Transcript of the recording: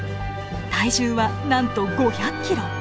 体重はなんと５００ｋｇ。